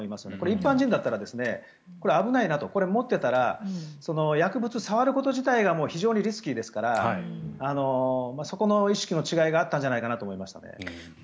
一般人だったらこれ、危ないなと持っていたら薬物、触ること自体が非常にリスキーですからそこの意識の違いがあったんじゃないかなと思いましたね。